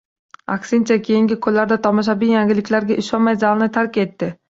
Aksincha, keyingi kunlarda Tomoshabin yangiliklarga ishonmay, zalni tark etdi